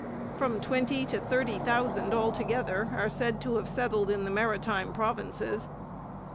From twenty to thirty thousand altogether are said to have settled in the Maritime Provinces.